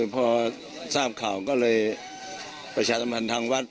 ก็ว่าทราบข่าก็เลยประชาธรรมพันธุ์ทางวัด